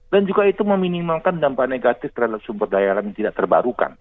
dan juga itu meminimalkan dampak negatif terhadap sumber daya yang tidak terbarukan